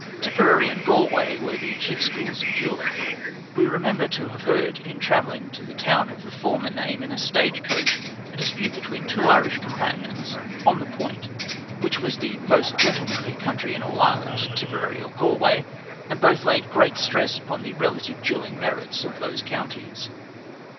Tipperary and Galway were the chief schools of duelling. We remember to have heard, in travelling to the town of the former name in a stage coach, a dispute between two Irish companions, on the point, which was the most gentlemanly country in all Ireland Tipperary or Galway? and both laid great stress upon the relative duelling merits of those counties.